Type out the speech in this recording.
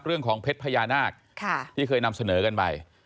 เรื่องของเพชรพญานาคค่ะที่เคยนำเสนอกันไปอ่า